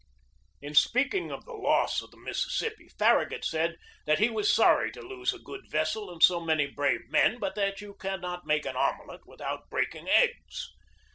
In speaking of the loss of the Mississippi, Farra gut said that he was sorry to lose a good vessel and so many brave men, but that you could not make an omelet without breaking eggs.